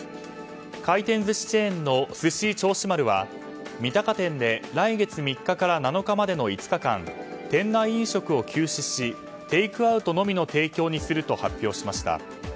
回転寿司チェーンのすし銚子丸は三鷹店で来月３日から７日までの５日間店内飲食を休止しテイクアウトのみの提供にすると発表しました。